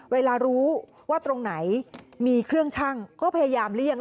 เวลารู้ว่าตรงไหนมีเครื่องชั่งก็พยายามเลี่ยง